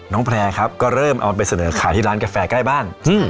แพร่ครับก็เริ่มเอาไปเสนอขายที่ร้านกาแฟใกล้บ้าน